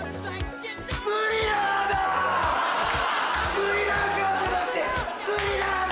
スリラーカーじゃなくてスリラーだ！